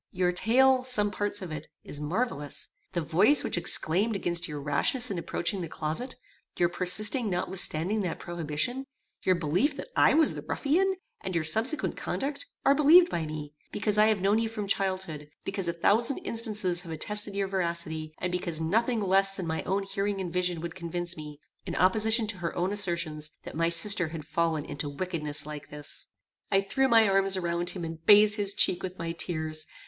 Your tale, some parts of it, is marvellous; the voice which exclaimed against your rashness in approaching the closet, your persisting notwithstanding that prohibition, your belief that I was the ruffian, and your subsequent conduct, are believed by me, because I have known you from childhood, because a thousand instances have attested your veracity, and because nothing less than my own hearing and vision would convince me, in opposition to her own assertions, that my sister had fallen into wickedness like this." I threw my arms around him, and bathed his cheek with my tears.